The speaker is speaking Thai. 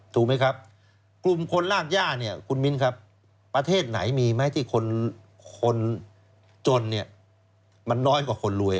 ถูกไหมครับกลุ่มคนรากย่าเนี่ยคุณมิ้นครับประเทศไหนมีไหมที่คนจนเนี่ยมันน้อยกว่าคนรวย